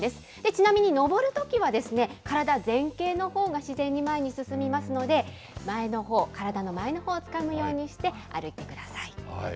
ちなみに上るときは、体、前傾のほうが自然に前に進みますので、前のほう、体の前のほうをつかむようにして歩いてください。